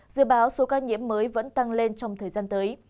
dự báo số ca nhiễm mới vẫn tăng lên trong thời gian tới